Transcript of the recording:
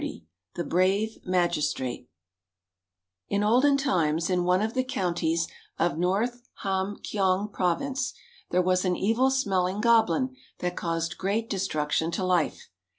XXX THE BRAVE MAGISTRATE In olden times in one of the counties of North Ham kyong Province, there was an evil smelling goblin that caused great destruction to life.